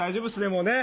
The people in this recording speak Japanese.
もうね。